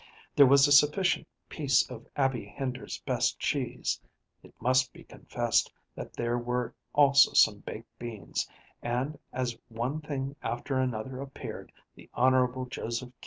There was a sufficient piece of Abby Hender's best cheese; it must be confessed that there were also some baked beans, and, as one thing after another appeared, the Honorable Joseph K.